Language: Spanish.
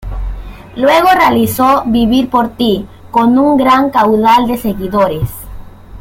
Luego realizó "Vivir por ti" con un gran caudal de seguidores.